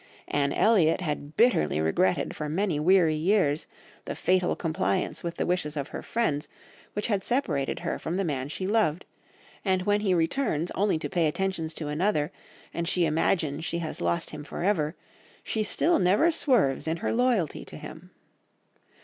Anne Elliot had bitterly regretted for many weary years the fatal compliance with the wishes of her friends which had separated her from the man she loved, and when he returns only to pay attentions to another, and she imagines she has lost him for ever, she still never swerves in her loyalty to him.